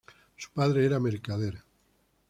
Su padre era mercader.